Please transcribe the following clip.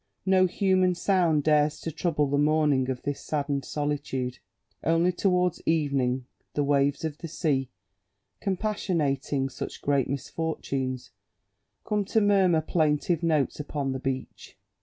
No human sound dares to trouble the mourning of this saddened solitude. Only towards evening the waves of the sea, compassionating such great misfortunes, come to murmur plaintive notes upon the beach.